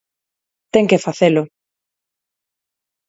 Ten que facelo.